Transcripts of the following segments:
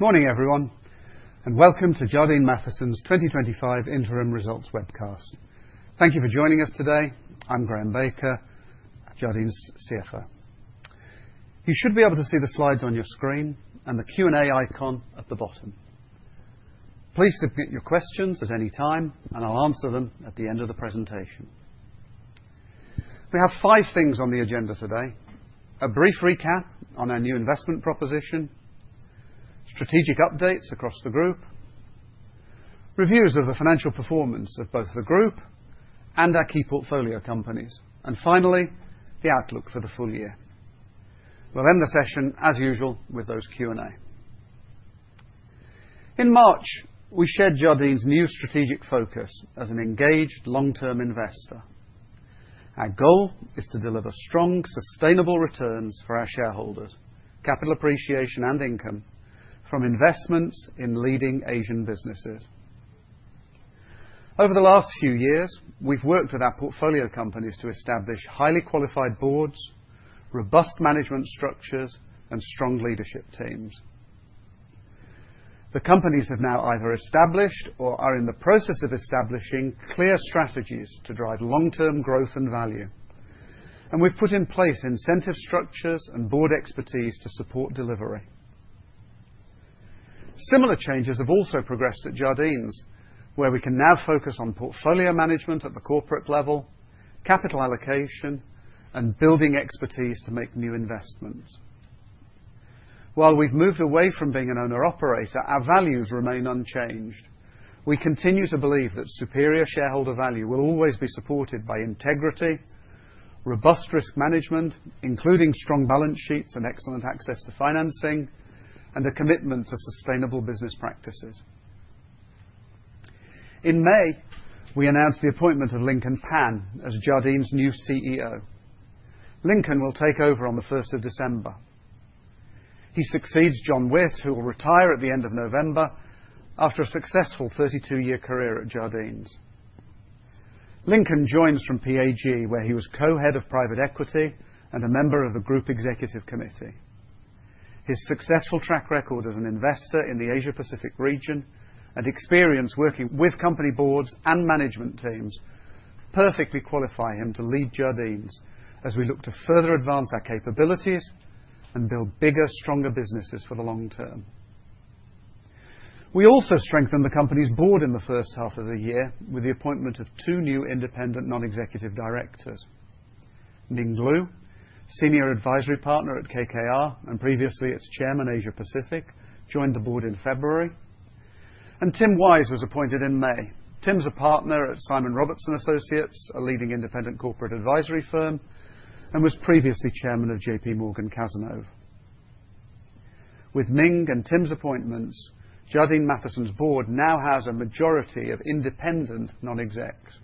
Morning, everyone, and welcome to Jardine Matheson's 2025 Interim Results Webcast. Thank you for joining us today. I'm Graham Baker, Jardines CFO. You should be able to see the slides on your screen and the Q&A icon at the bottom. Please submit your questions at any time, and I'll answer them at the end of the presentation. We have five things on the agenda today: a brief recap on our new investment proposition, strategic updates across the group, reviews of the financial performance of both the group and our key portfolio companies, and finally, the outlook for the full year. We'll end the session, as usual, with those Q&A. In March, we shared Jardines new strategic focus as an engaged, long-term investor. Our goal is to deliver strong, sustainable returns for our shareholders, capital appreciation, and income from investments in leading Asian businesses. Over the last few years, we've worked with our portfolio companies to establish highly qualified boards, robust management structures, and strong leadership teams. The companies have now either established or are in the process of establishing clear strategies to drive long-term growth and value, and we've put in place incentive structures and board expertise to support delivery. Similar changes have also progressed at Jardines, where we can now focus on portfolio management at the corporate level, capital allocation, and building expertise to make new investments. While we've moved away from being an owner-operator, our values remain unchanged. We continue to believe that superior shareholder value will always be supported by integrity, robust risk management, including strong balance sheets and excellent access to financing, and a commitment to sustainable business practices. In May, we announced the appointment of Lincoln Pan as Jardines new CEO. Lincoln will take over on the 1st of December. He succeeds John Witt, who will retire at the end of November after a successful 32-year career at Jardines. Lincoln joins from PAG, where he was co-head of private equity and a member of the Group Executive Committee. His successful track record as an investor in the Asia-Pacific region and experience working with company boards and management teams perfectly qualify him to lead Jardines as we look to further advance our capabilities and build bigger, stronger businesses for the long term. We also strengthened the company's board in the first half of the year with the appointment of two new independent non-executive directors. Ming Lu, senior advisory partner at KKR and previously its chairman Asia-Pacific, joined the board in February, and Tim Wise was appointed in May. Tim's a partner at Simon Robertson Associates, a leading independent corporate advisory firm, and was previously chairman of JPMorgan Cazenove. With Ming and Tim's appointments, Jardine Matheson's board now has a majority of independent non-execs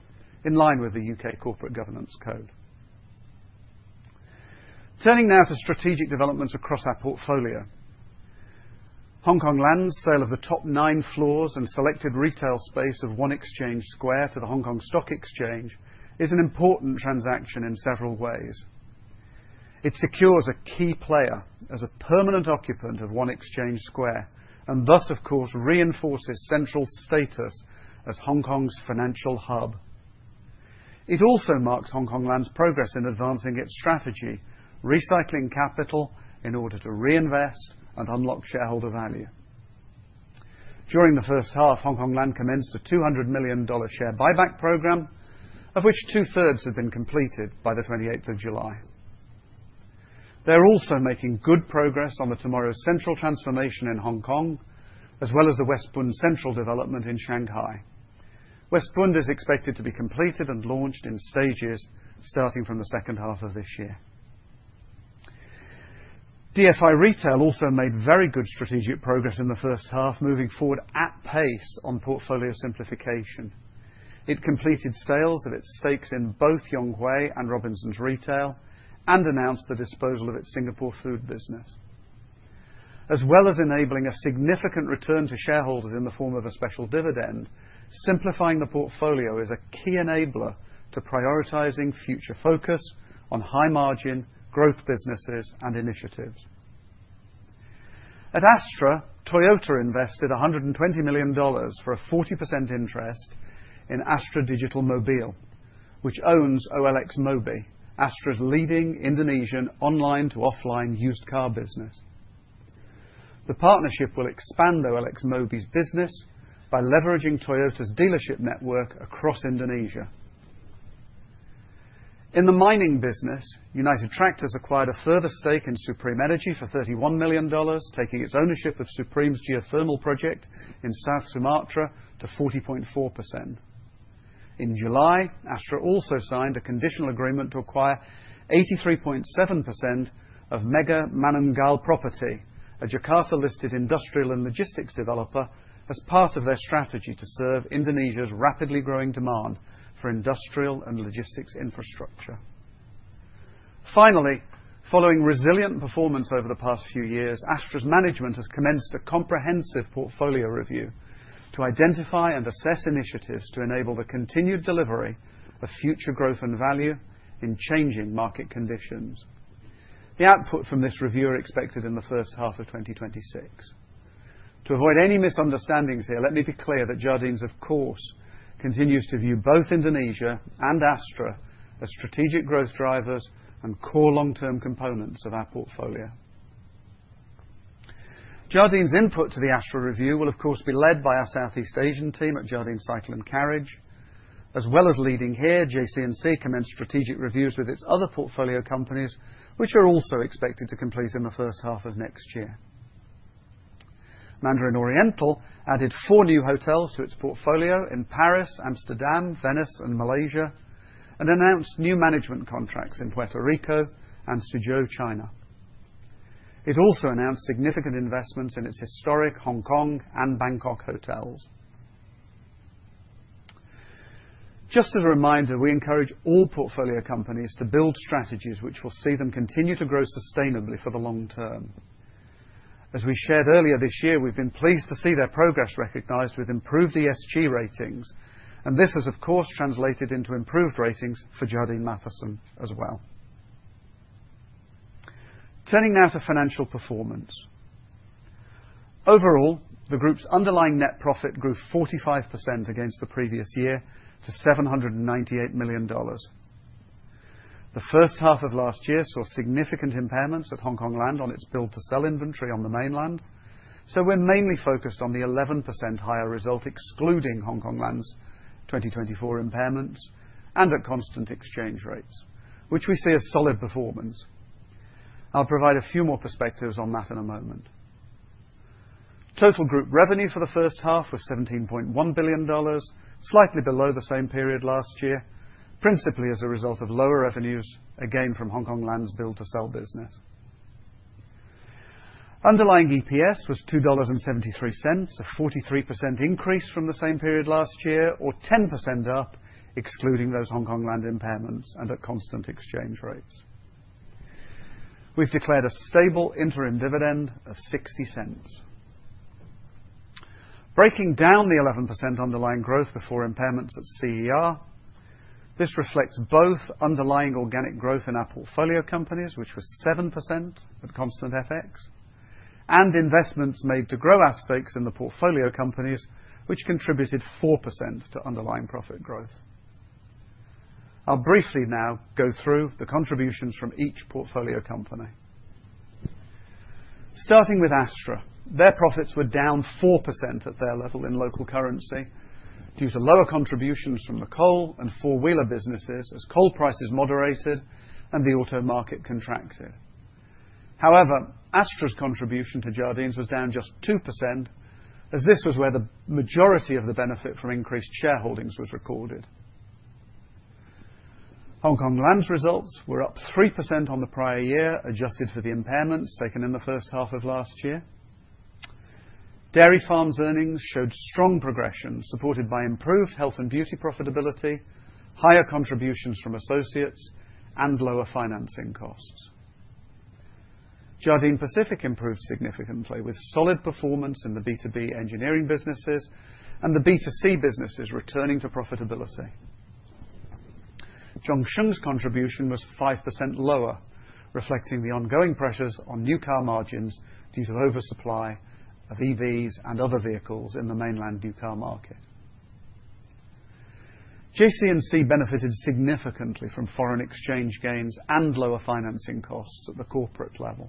in line with the U.K. corporate governance code. Turning now to strategic developments across our portfolio, Hongkong Land's sale of the top nine floors and selected retail space of One Exchange Square to the Hong Kong Stock Exchange is an important transaction in several ways. It secures a key player as a permanent occupant of One Exchange Square and thus, of course, reinforces Central's status as Hong Kong's financial hub. It also marks Hongkong Land's progress in advancing its strategy, recycling capital in order to reinvest and unlock shareholder value. During the first half, Hongkong Land commenced a $200 million share buyback program, of which two-thirds had been completed by the 28th of July. They're also making good progress on the Tomorrow's Central transformation in Hong Kong, as well as the West Bund Central development in Shanghai. West Bund is expected to be completed and launched in stages starting from the second half of this year. DFI Retail also made very good strategic progress in the first half, moving forward at pace on portfolio simplification. It completed sales of its stakes in Yonghui and Robinsons Retail and announced the disposal of its Singapore food business. As well as enabling a significant return to shareholders in the form of a special dividend, simplifying the portfolio is a key enabler to prioritizing future focus on high-margin growth businesses and initiatives. At Astra, Toyota invested $120 million for a 40% interest in Astra Digital Mobil, which owns OLXmobbi, Astra's leading Indonesian online-to-offline used car business. The partnership will expand OLXmobbi's business by leveraging Toyota's dealership network across Indonesia. In the mining business, United Tractors acquired a further stake in Supreme Energy for $31 million, taking its ownership of Supreme's geothermal project in South Sumatra to 40.4%. In July, Astra also signed a conditional agreement to acquire 83.7% of Mega Manunggal Property, a Jakarta-listed industrial and logistics developer, as part of their strategy to serve Indonesia's rapidly growing demand for industrial and logistics infrastructure. Finally, following resilient performance over the past few years, Astra's management has commenced a comprehensive portfolio review to identify and assess initiatives to enable the continued delivery of future growth and value in changing market conditions. The output from this review is expected in the first half of 2026. To avoid any misunderstandings here, let me be clear that Jardines, of course, continues to view both Indonesia and Astra as strategic growth drivers and core long-term components of our portfolio. Jardines input to the Astra review will, of course, be led by our Southeast Asian team at Jardine Cycle & Carriage, as well as leading here, JC&C, commenced strategic reviews with its other portfolio companies, which are also expected to complete in the first half of next year. Mandarin Oriental added four new hotels to its portfolio in Paris, Amsterdam, Venice, and Malaysia, and announced new management contracts in Puerto Rico and Suzhou, China. It also announced significant investments in its historic Hong Kong and Bangkok hotels. Just a reminder, we encourage all portfolio companies to build strategies which will see them continue to grow sustainably for the long term. As we shared earlier this year, we've been pleased to see their progress recognized with improved ESG ratings, and this has, of course, translated into improved ratings for Jardine Matheson as well. Turning now to financial performance. Overall, the group's underlying net profit grew 45% against the previous year to $798 million. The first half of last year saw significant impairments at Hongkong Land on its build-to-sell inventory on the mainland, so we're mainly focused on the 11% higher result excluding Hongkong Land's 2024 impairments and at constant exchange rates, which we see as solid performance. I'll provide a few more perspectives on that in a moment. Total group revenue for the first half was $17.1 billion, slightly below the same period last year, principally as a result of lower revenues, again from Hongkong Land's build-to-sell business. Underlying EPS was $2.73, a 43% increase from the same period last year, or 10% up excluding those Hongkong Land impairments and at constant exchange rates. We've declared a stable interim dividend of $0.60. Breaking down the 11% underlying growth before impairments at CER, this reflects both underlying organic growth in our portfolio companies, which was 7% at constant FX, and investments made to grow our stakes in the portfolio companies, which contributed 4% to underlying profit growth. I'll briefly now go through the contributions from each portfolio company. Starting with Astra, their profits were down 4% at their level in local currency due to lower contributions from the coal and four-wheeler businesses as coal prices moderated and the auto market contracted. However, Astra's contribution to Jardines was down just 2%, as this was where the majority of the benefit from increased shareholdings was recorded. Hongkong Land's results were up 3% on the prior year, adjusted for the impairments taken in the first half of last year. Dairy Farm's earnings showed strong progression supported by improved health and beauty profitability, higher contributions from associates, and lower financing costs. Jardine Pacific improved significantly with solid performance in the B2B engineering businesses and the B2C businesses returning to profitability. Zhongsheng's contribution was 5% lower, reflecting the ongoing pressures on new car margins due to oversupply of EVs and other vehicles in the mainland new car market. JC&C benefited significantly from foreign exchange gains and lower financing costs at the corporate level.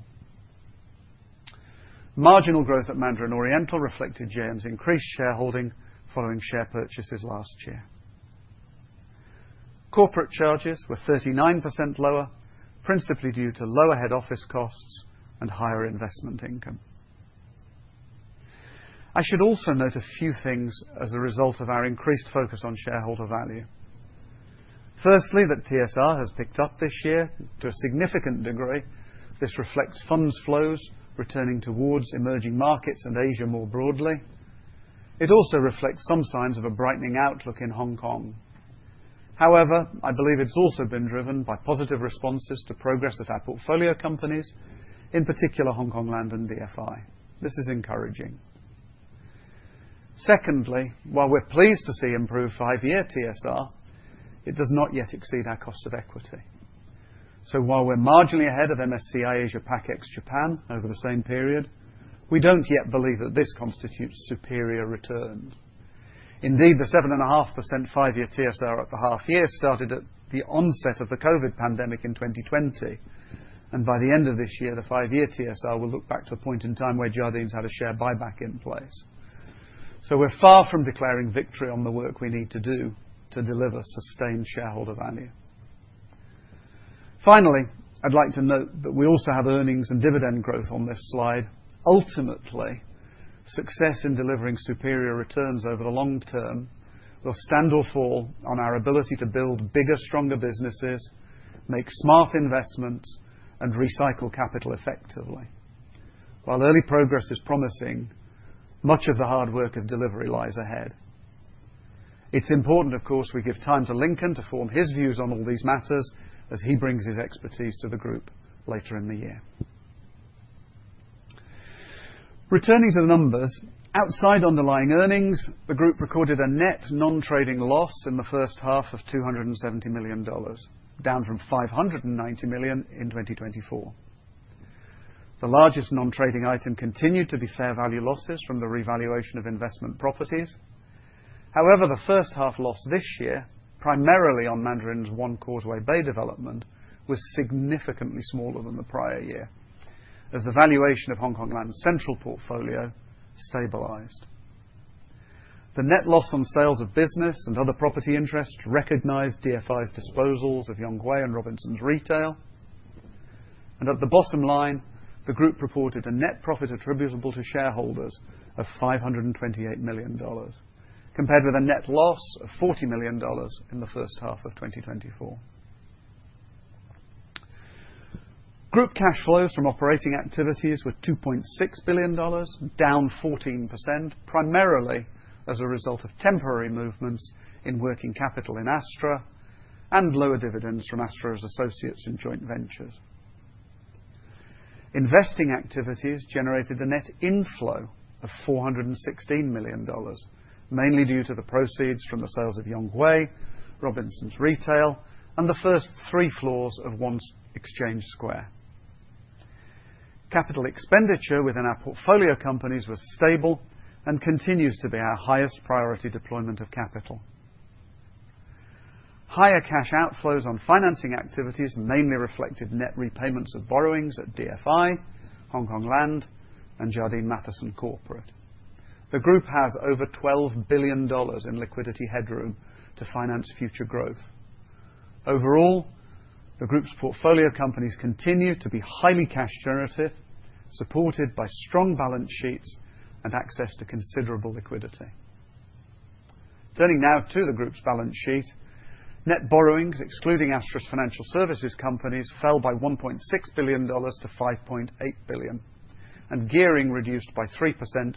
Marginal growth at Mandarin Oriental reflected JM's increased shareholding following share purchases last year. Corporate charges were 39% lower, principally due to lower head office costs and higher investment income. I should also note a few things as a result of our increased focus on shareholder value. Firstly, that TSR has picked up this year to a significant degree. This reflects funds flows returning towards emerging markets and Asia more broadly. It also reflects some signs of a brightening outlook in Hong Kong. However, I believe it's also been driven by positive responses to progress at our portfolio companies, in particular Hongkong Land and DFI. This is encouraging. Secondly, while we're pleased to see improved five-year TSR, it does not yet exceed our cost of equity. So while we're marginally ahead of MSCI Asia Pac ex Japan over the same period, we don't yet believe that this constitutes superior returns. Indeed, the 7.5% five-year TSR at the half year started at the onset of the COVID pandemic in 2020, and by the end of this year, the five-year TSR will look back to a point in time where Jardines had a share buyback in place. So we're far from declaring victory on the work we need to do to deliver sustained shareholder value. Finally, I'd like to note that we also have earnings and dividend growth on this slide. Ultimately, success in delivering superior returns over the long term will stand or fall on our ability to build bigger, stronger businesses, make smart investments, and recycle capital effectively. While early progress is promising, much of the hard work of delivery lies ahead. It's important, of course, we give time to Lincoln to form his views on all these matters as he brings his expertise to the group later in the year. Returning to the numbers, outside underlying earnings, the group recorded a net non-trading loss in the first half of $270 million, down from $590 million in 2024. The largest non-trading item continued to be fair value losses from the revaluation of investment properties. However, the first half loss this year, primarily on Mandarin's One Causeway Bay development, was significantly smaller than the prior year as the valuation of Hongkong Land's central portfolio stabilized. The net loss on sales of business and other property interests recognized DFI's disposals Yonghui and Robinsons Retail, and at the bottom line, the group reported a net profit attributable to shareholders of $528 million, compared with a net loss of $40 million in the first half of 2024. Group cash flows from operating activities were $2.6 billion, down 14%, primarily as a result of temporary movements in working capital in Astra and lower dividends from Astra's associates in joint ventures. Investing activities generated a net inflow of $416 million, mainly due to the proceeds from the sales Yonghui, Robinsons Retail, and the first three floors of One Exchange Square. Capital expenditure within our portfolio companies was stable and continues to be our highest priority deployment of capital. Higher cash outflows on financing activities mainly reflected net repayments of borrowings at DFI, Hongkong Land, and Jardine Matheson Corporate. The group has over $12 billion in liquidity headroom to finance future growth. Overall, the group's portfolio companies continue to be highly cash-generative, supported by strong balance sheets and access to considerable liquidity. Turning now to the group's balance sheet, net borrowings, excluding Astra's financial services companies, fell by $1.6 billion-$5.8 billion, and gearing reduced by 3%-11%.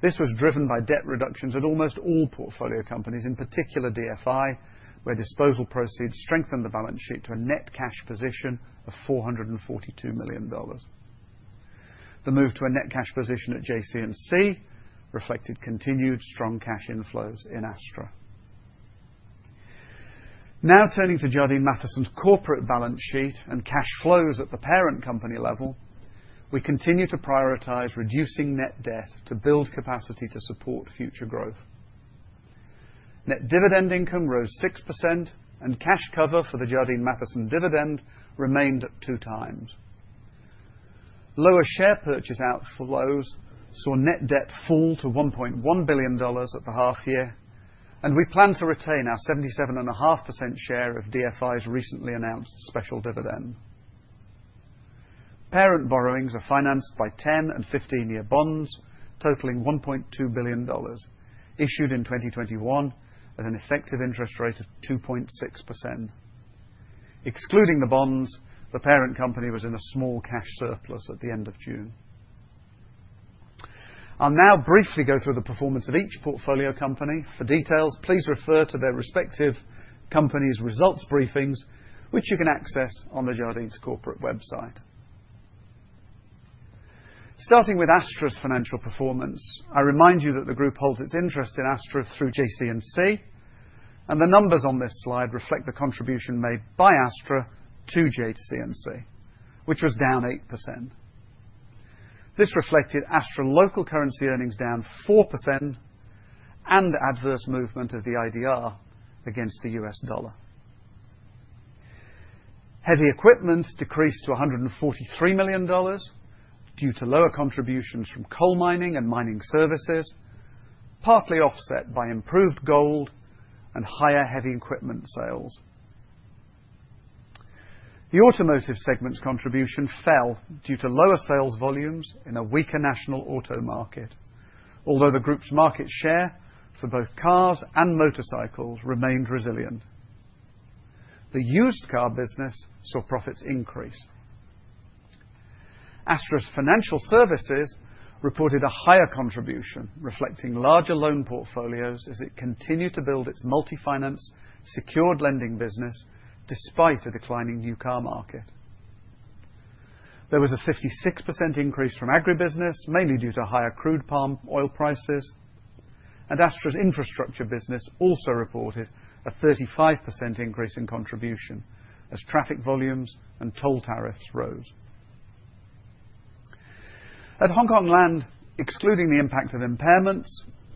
This was driven by debt reductions at almost all portfolio companies, in particular DFI, where disposal proceeds strengthened the balance sheet to a net cash position of $442 million. The move to a net cash position at JC&C reflected continued strong cash inflows in Astra. Now turning to Jardine Matheson's corporate balance sheet and cash flows at the parent company level, we continue to prioritize reducing net debt to build capacity to support future growth. Net dividend income rose 6%, and cash cover for the Jardine Matheson dividend remained at two times. Lower share purchase outflows saw net debt fall to $1.1 billion at the half year, and we plan to retain our 77.5% share of DFI's recently announced special dividend. Parent borrowings are financed by 10 and 15-year bonds totaling $1.2 billion, issued in 2021 at an effective interest rate of 2.6%. Excluding the bonds, the parent company was in a small cash surplus at the end of June. I'll now briefly go through the performance of each portfolio company. For details, please refer to their respective companies' results briefings, which you can access on the Jardines corporate website. Starting with Astra's financial performance, I remind you that the group holds its interest in Astra through JC&C, and the numbers on this slide reflect the contribution made by Astra to JC&C, which was down 8%. This reflected Astra's local currency earnings down 4% and adverse movement of the IDR against the U.S. dollar. Heavy equipment decreased to $143 million due to lower contributions from coal mining and mining services, partly offset by improved gold and higher heavy equipment sales. The automotive segment's contribution fell due to lower sales volumes in a weaker national auto market, although the group's market share for both cars and motorcycles remained resilient. The used car business saw profits increase. Astra's financial services reported a higher contribution, reflecting larger loan portfolios as it continued to build its multi-finance secured lending business despite a declining new car market. There was a 56% increase from agribusiness, mainly due to higher crude palm oil prices, and Astra's infrastructure business also reported a 35% increase in contribution as traffic volumes and toll tariffs rose. At Hongkong Land, excluding the impact of impairments,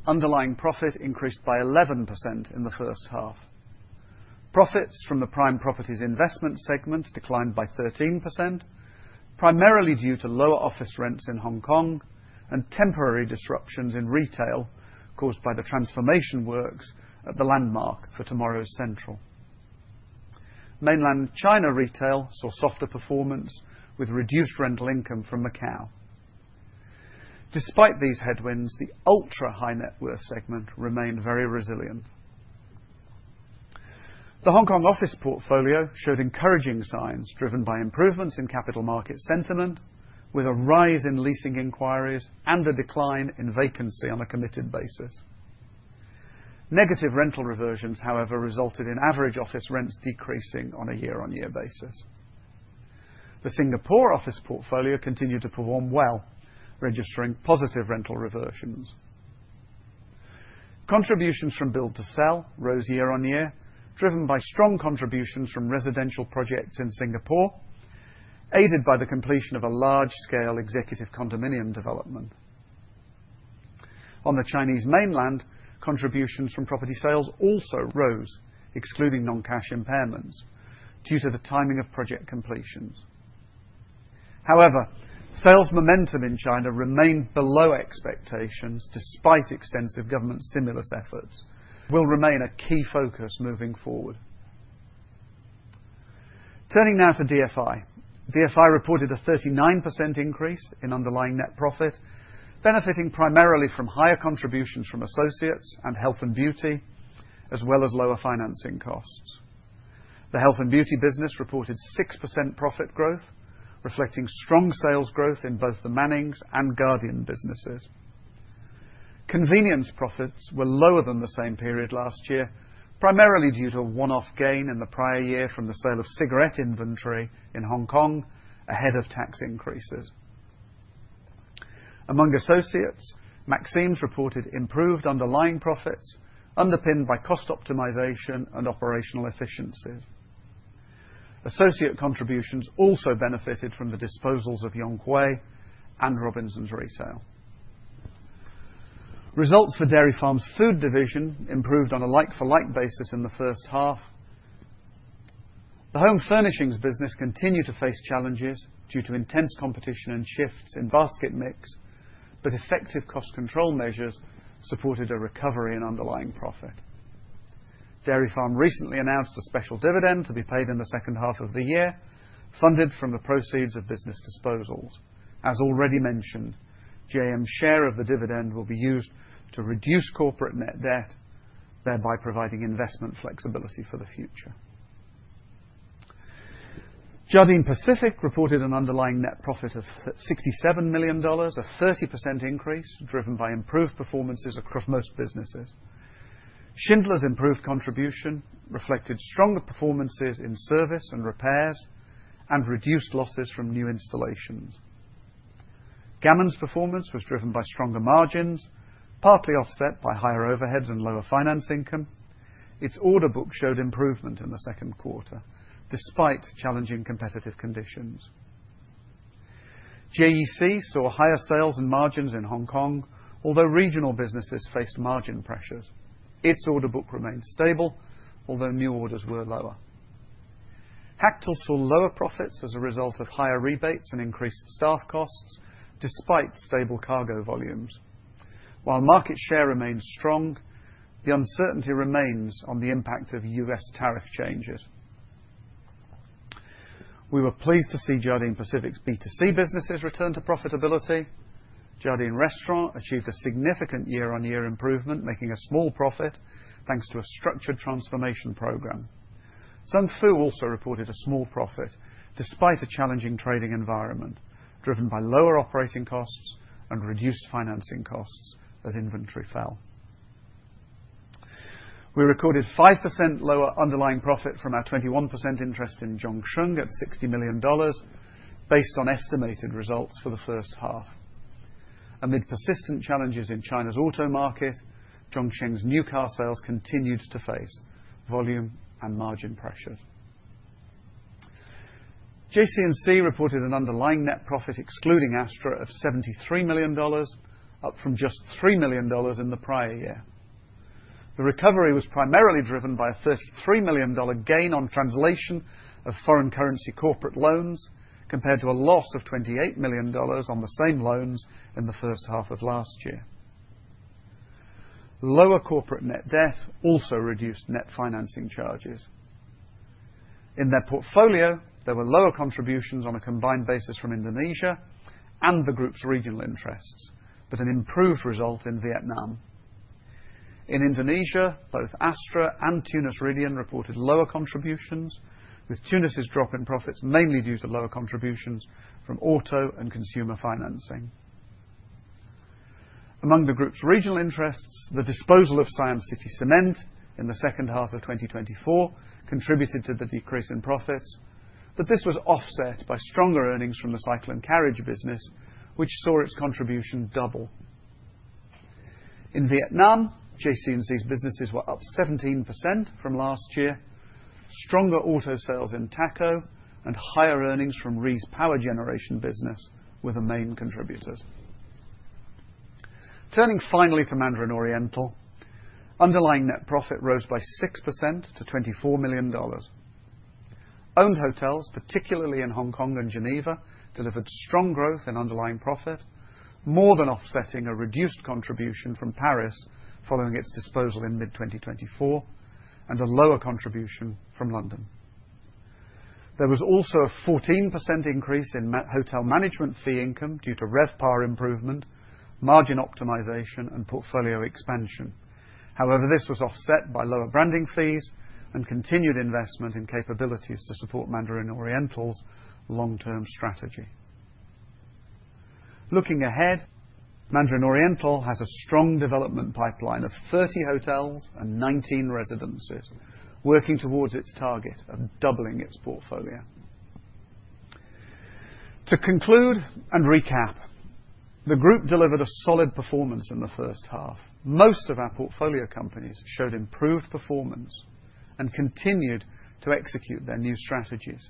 underlying profit increased by 11% in the first half. Profits from the prime properties investment segment declined by 13%, primarily due to lower office rents in Hong Kong and temporary disruptions in retail caused by the transformation works at The Landmark for Tomorrow's Central. Mainland China retail saw softer performance with reduced rental income from Macau. Despite these headwinds, the ultra-high net worth segment remained very resilient. The Hong Kong office portfolio showed encouraging signs driven by improvements in capital market sentiment, with a rise in leasing inquiries and a decline in vacancy on a committed basis. Negative rental reversions, however, resulted in average office rents decreasing on a year-on-year basis. The Singapore office portfolio continued to perform well, registering positive rental reversions. Contributions from build-to-sell rose year-on-year, driven by strong contributions from residential projects in Singapore, aided by the completion of a large-scale executive condominium development. On the Chinese Mainland, contributions from property sales also rose, excluding non-cash impairments, due to the timing of project completions. However, sales momentum in China remained below expectations despite extensive government stimulus efforts. Will remain a key focus moving forward. Turning now to DFI. DFI reported a 39% increase in underlying net profit, benefiting primarily from higher contributions from associates and health and beauty, as well as lower financing costs. The health and beauty business reported 6% profit growth, reflecting strong sales growth in both the Mannings and Guardian businesses. Convenience profits were lower than the same period last year, primarily due to a one-off gain in the prior year from the sale of cigarette inventory in Hong Kong ahead of tax increases. Among associates, Maxim's reported improved underlying profits, underpinned by cost optimization and operational efficiencies. Associate contributions also benefited from the disposals Yonghui and Robinsons Retail. Results for Dairy Farm's food division improved on a like-for-like basis in the first half. The home furnishings business continued to face challenges due to intense competition and shifts in basket mix, but effective cost control measures supported a recovery in underlying profit. Dairy Farm recently announced a special dividend to be paid in the second half of the year, funded from the proceeds of business disposals. As already mentioned, JM's share of the dividend will be used to reduce corporate net debt, thereby providing investment flexibility for the future. Jardine Pacific reported an underlying net profit of $67 million, a 30% increase driven by improved performances across most businesses. Schindler's improved contribution reflected stronger performances in service and repairs and reduced losses from new installations. Gammon's performance was driven by stronger margins, partly offset by higher overheads and lower finance income. Its order book showed improvement in the Q2, despite challenging competitive conditions. JEC saw higher sales and margins in Hong Kong, although regional businesses faced margin pressures. Its order book remained stable, although new orders were lower. Hactl saw lower profits as a result of higher rebates and increased staff costs, despite stable cargo volumes. While market share remained strong, the uncertainty remains on the impact of U.S. tariff changes. We were pleased to see Jardine Pacific's B2C businesses return to profitability. Jardine Restaurant achieved a significant year-on-year improvement, making a small profit thanks to a structured transformation program. Zung Fu also reported a small profit, despite a challenging trading environment, driven by lower operating costs and reduced financing costs as inventory fell. We recorded 5% lower underlying profit from our 21% interest in Zhongsheng at $60 million, based on estimated results for the first half. Amid persistent challenges in China's auto market, Zhongsheng's new car sales continued to face volume and margin pressures. JC&C reported an underlying net profit, excluding Astra, of $73 million, up from just $3 million in the prior year. The recovery was primarily driven by a $33 million gain on translation of foreign currency corporate loans, compared to a loss of $28 million on the same loans in the first half of last year. Lower corporate net debt also reduced net financing charges. In their portfolio, there were lower contributions on a combined basis from Indonesia and the group's regional interests, but an improved result in Vietnam. In Indonesia, both Astra and Tunas Ridean reported lower contributions, with Tunas' drop in profits mainly due to lower contributions from auto and consumer financing. Among the group's regional interests, the disposal of Siam City Cement in the second half of 2024 contributed to the decrease in profits, but this was offset by stronger earnings from the Cycle & Carriage business, which saw its contribution double. In Vietnam, JC&C's businesses were up 17% from last year, stronger auto sales in THACO and higher earnings from REE's power generation business were the main contributors. Turning finally to Mandarin Oriental, underlying net profit rose by 6% to $24 million. Owned hotels, particularly in Hong Kong and Geneva, delivered strong growth in underlying profit, more than offsetting a reduced contribution from Paris following its disposal in mid-2024 and a lower contribution from London. There was also a 14% increase in hotel management fee income due to RevPAR improvement, margin optimization, and portfolio expansion. However, this was offset by lower branding fees and continued investment in capabilities to support Mandarin Oriental's long-term strategy. Looking ahead, Mandarin Oriental has a strong development pipeline of 30 hotels and 19 residences, working towards its target of doubling its portfolio. To conclude and recap, the group delivered a solid performance in the first half. Most of our portfolio companies showed improved performance and continued to execute their new strategies.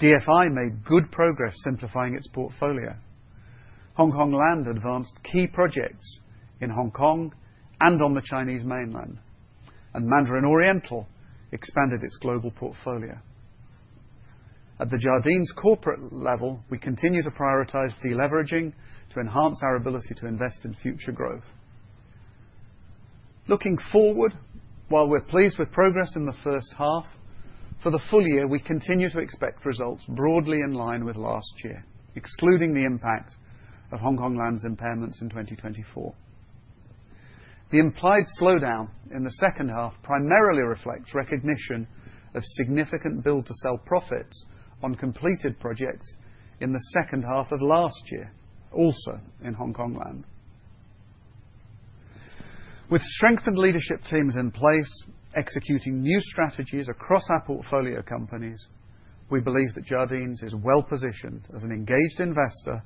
DFI made good progress simplifying its portfolio. Hongkong Land advanced key projects in Hong Kong and on the Chinese mainland, and Mandarin Oriental expanded its global portfolio. At the Jardines corporate level, we continue to prioritize deleveraging to enhance our ability to invest in future growth. Looking forward, while we're pleased with progress in the first half, for the full year, we continue to expect results broadly in line with last year, excluding the impact of Hongkong Land's impairments in 2024. The implied slowdown in the second half primarily reflects recognition of significant build-to-sell profits on completed projects in the second half of last year, also in Hongkong Land. With strengthened leadership teams in place, executing new strategies across our portfolio companies, we believe that Jardines is well-positioned as an engaged investor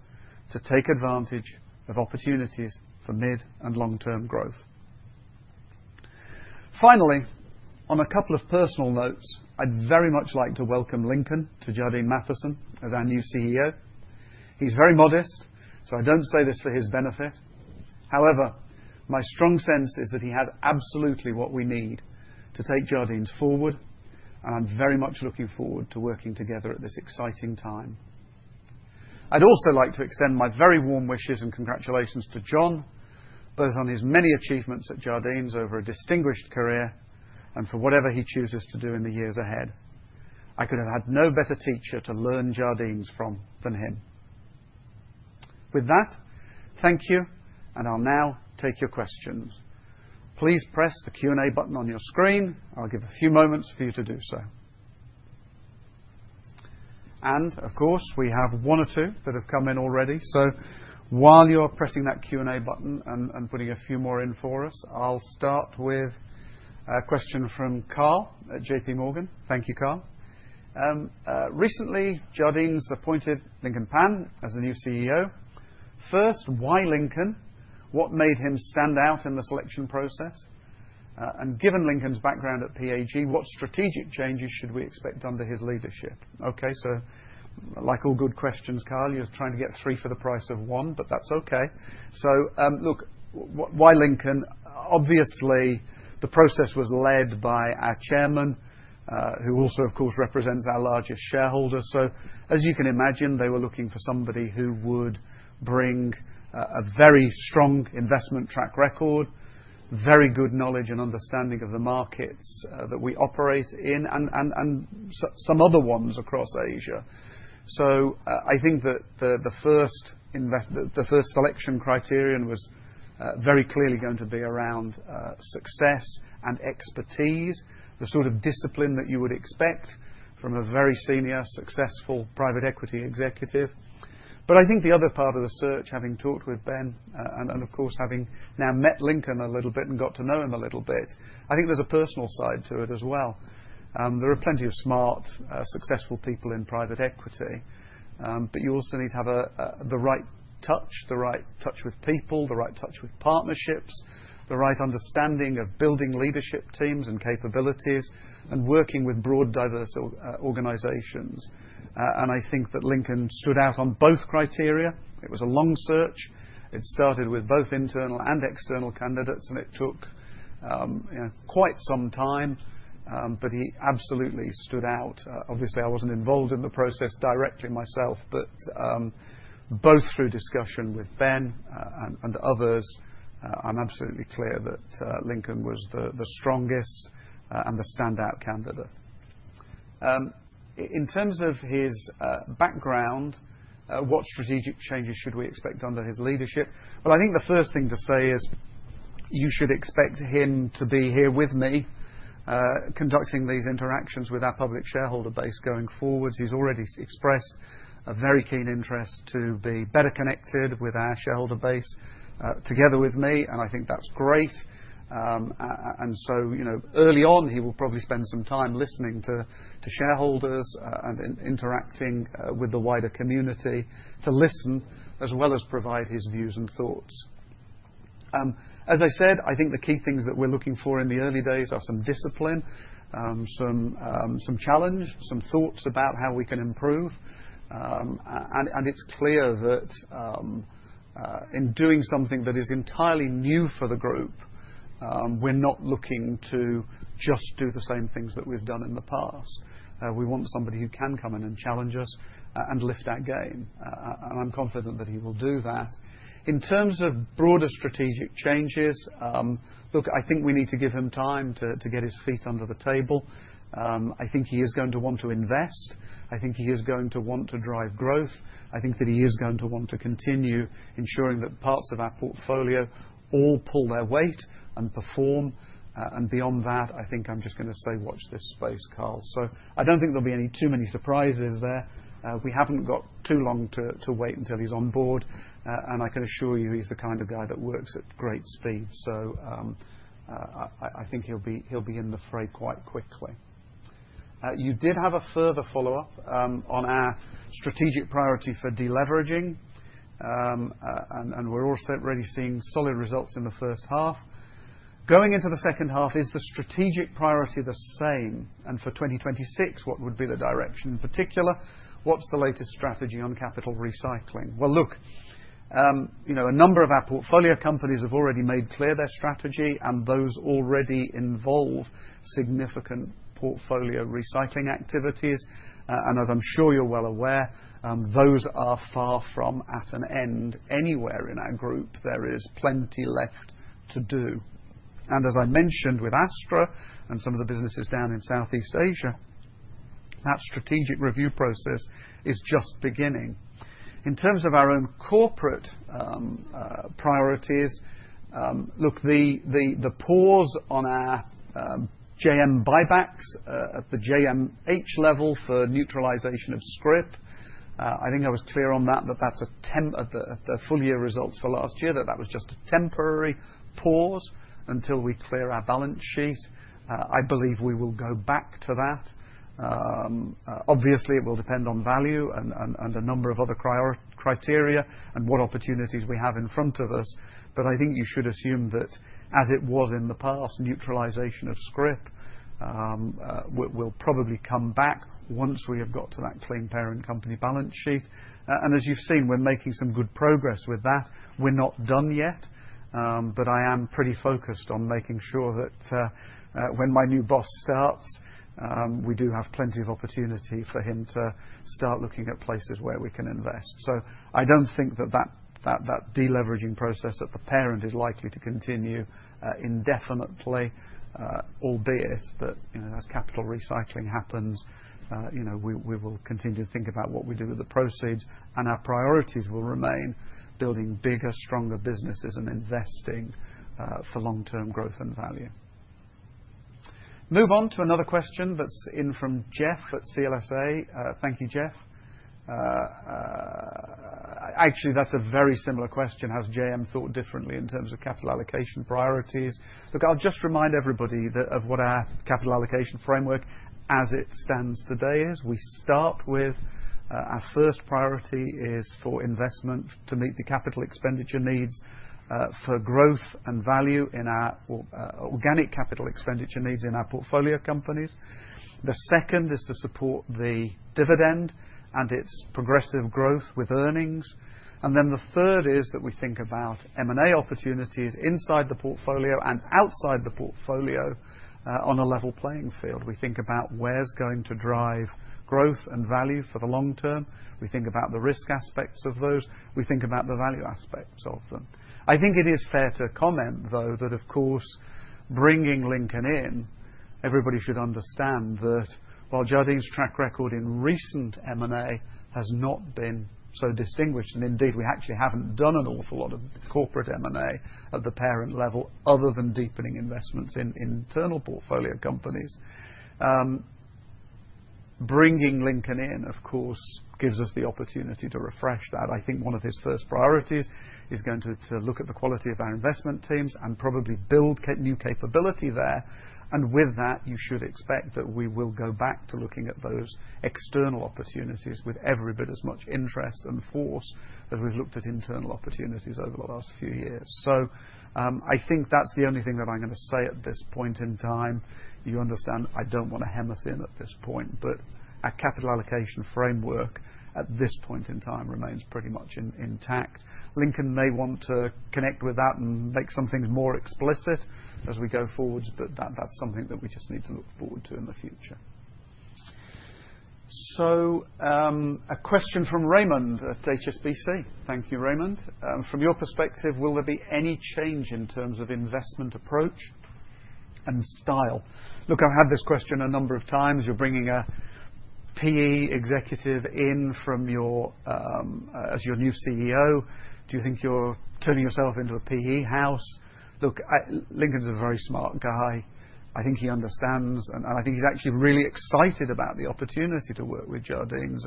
to take advantage of opportunities for mid and long-term growth. Finally, on a couple of personal notes, I'd very much like to welcome Lincoln to Jardine Matheson as our new CEO. He's very modest, so I don't say this for his benefit. However, my strong sense is that he has absolutely what we need to take Jardines forward, and I'm very much looking forward to working together at this exciting time. I'd also like to extend my very warm wishes and congratulations to John, both on his many achievements at Jardines over a distinguished career and for whatever he chooses to do in the years ahead. I could have had no better teacher to learn Jardines from than him. With that, thank you, and I'll now take your questions. Please press the Q&A button on your screen. I'll give a few moments for you to do so. And, of course, we have one or two that have come in already. So while you're pressing that Q&A button and putting a few more in for us, I'll start with a question from Carl at JPMorgan. Thank you, Carl. Recently, Jardines appointed Lincoln Pan as a new CEO. First, why Lincoln? What made him stand out in the selection process? And given Lincoln's background at PAG, what strategic changes should we expect under his leadership? Okay, so like all good questions, Carl, you're trying to get three for the price of one, but that's okay. So look, why Lincoln? Obviously, the process was led by our chairman, who also, of course, represents our largest shareholder. So as you can imagine, they were looking for somebody who would bring a very strong investment track record, very good knowledge and understanding of the markets that we operate in, and some other ones across Asia. So I think that the first selection criterion was very clearly going to be around success and expertise, the sort of discipline that you would expect from a very senior, successful private equity executive. But I think the other part of the search, having talked with Ben and, of course, having now met Lincoln a little bit and got to know him a little bit, I think there's a personal side to it as well. There are plenty of smart, successful people in private equity, but you also need to have the right touch, the right touch with people, the right touch with partnerships, the right understanding of building leadership teams and capabilities, and working with broad, diverse organizations. And I think that Lincoln stood out on both criteria. It was a long search. It started with both internal and external candidates, and it took quite some time, but he absolutely stood out. Obviously, I wasn't involved in the process directly myself, but both through discussion with Ben and others, I'm absolutely clear that Lincoln was the strongest and the standout candidate. In terms of his background, what strategic changes should we expect under his leadership? Well, I think the first thing to say is you should expect him to be here with me, conducting these interactions with our public shareholder base going forward. He's already expressed a very keen interest to be better connected with our shareholder base together with me, and I think that's great. And so early on, he will probably spend some time listening to shareholders and interacting with the wider community to listen, as well as provide his views and thoughts. As I said, I think the key things that we're looking for in the early days are some discipline, some challenge, some thoughts about how we can improve, and it's clear that in doing something that is entirely new for the group, we're not looking to just do the same things that we've done in the past. We want somebody who can come in and challenge us and lift our game, and I'm confident that he will do that. In terms of broader strategic changes, look, I think we need to give him time to get his feet under the table. I think he is going to want to invest. I think he is going to want to drive growth. I think that he is going to want to continue ensuring that parts of our portfolio all pull their weight and perform. And beyond that, I think I'm just going to say, "Watch this space, Carl." So I don't think there'll be too many surprises there. We haven't got too long to wait until he's on board, and I can assure you he's the kind of guy that works at great speed. So I think he'll be in the fray quite quickly. You did have a further follow-up on our strategic priority for deleveraging, and we're already seeing solid results in the first half. Going into the second half, is the strategic priority the same? And for 2026, what would be the direction in particular? What's the latest strategy on capital recycling? Well, look, a number of our portfolio companies have already made clear their strategy, and those already involve significant portfolio recycling activities. And as I'm sure you're well aware, those are far from at an end. Anywhere in our group, there is plenty left to do. And as I mentioned with Astra and some of the businesses down in Southeast Asia, that strategic review process is just beginning. In terms of our own corporate priorities, look, the pause on our JM buybacks at the JMH level for neutralization of Scrip, I think I was clear on that, that that's a full year results for last year, that that was just a temporary pause until we clear our balance sheet. I believe we will go back to that. Obviously, it will depend on value and a number of other criteria and what opportunities we have in front of us. But I think you should assume that, as it was in the past, neutralization of Scrip will probably come back once we have got to that clean parent company balance sheet. And as you've seen, we're making some good progress with that. We're not done yet, but I am pretty focused on making sure that when my new boss starts, we do have plenty of opportunity for him to start looking at places where we can invest. So I don't think that that deleveraging process at the parent is likely to continue indefinitely, albeit that as capital recycling happens, you know, we will continue to think about what we do with the proceeds, and our priorities will remain building bigger, stronger businesses and investing for long-term growth and value. Move on to another question that's in from Geoff at CLSA. Thank you, Geoff. Actually, that's a very similar question. Has JM thought differently in terms of capital allocation priorities? Look, I'll just remind everybody of what our capital allocation framework as it stands today is. We start with our first priority is for investment to meet the capital expenditure needs for growth and value in our organic capital expenditure needs in our portfolio companies. The second is to support the dividend and its progressive growth with earnings. And then the third is that we think about M&A opportunities inside the portfolio and outside the portfolio on a level playing field. We think about where's going to drive growth and value for the long term. We think about the risk aspects of those. We think about the value aspects of them. I think it is fair to comment, though, that, of course, bringing Lincoln in, everybody should understand that while Jardines track record in recent M&A has not been so distinguished, and indeed, we actually haven't done an awful lot of corporate M&A at the parent level other than deepening investments in internal portfolio companies. Bringing Lincoln in, of course, gives us the opportunity to refresh that. I think one of his first priorities is going to look at the quality of our investment teams and probably build new capability there. And with that, you should expect that we will go back to looking at those external opportunities with every bit as much interest and force as we've looked at internal opportunities over the last few years, so I think that's the only thing that I'm going to say at this point in time. You understand I don't want to hem us in at this point, but our capital allocation framework at this point in time remains pretty much intact. Lincoln may want to connect with that and make some things more explicit as we go forward, but that's something that we just need to look forward to in the future. So a question from Raymond at HSBC. Thank you, Raymond. From your perspective, will there be any change in terms of investment approach and style? Look, I've had this question a number of times. You're bringing a PE executive in as your new CEO. Do you think you're turning yourself into a PE house? Look, Lincoln's a very smart guy. I think he understands, and I think he's actually really excited about the opportunity to work with Jardines.